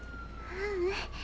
ううん。